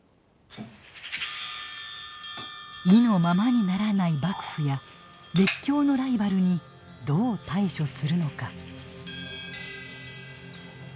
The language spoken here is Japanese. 意のままにならない幕府や列強のライバルにどう対処するのか。